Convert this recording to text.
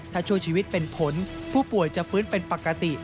ถ้าช่วยชีวิตเป็นผลผู้ป่วยจะฟื้นเป็นปกติ